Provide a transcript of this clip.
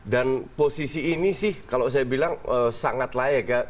dan posisi ini sih kalau saya bilang sangat layak ya